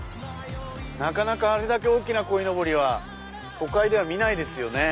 なかなかあれだけ大きなこいのぼりは都会では見ないですよね